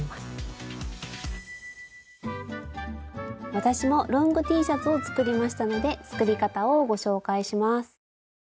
私もロングＴシャツを作りましたので作り方をご紹介します。